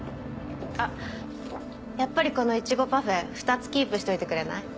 あっやっぱりこのイチゴパフェ２つキープしといてくれない？